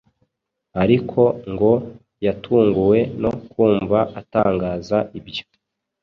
ariko ngo yatunguwe no kumva atangaza ibyo